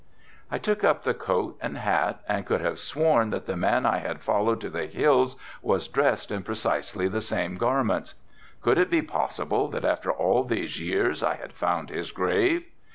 I took up the coat and hat and could have sworn that the man I had followed to the hills was dressed in precisely the same garments. Could it be possible that after all these years I had found his grave?